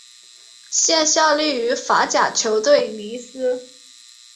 现效力于法甲球队尼斯。